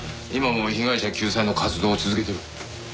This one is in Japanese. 今も被害者救済の活動を続けてる。